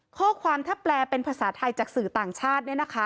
ข้อความถ้าแปลเป็นภาษาไทยจากสื่อต่างชาติ